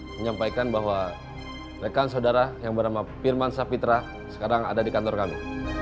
menyampaikan bahwa rekan saudara yang bernama firman sapitra sekarang ada di kantor kami